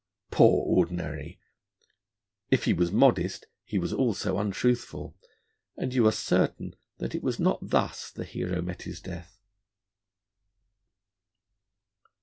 Poor Ordinary! If he was modest, he was also untruthful, and you are certain that it was not thus the hero met his death.